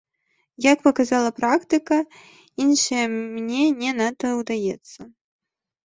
Як паказала практыка, іншае мне не надта ўдаецца.